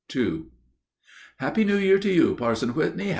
"Happy New Year to you, Parson Whitney!